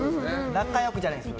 仲良くじゃないです。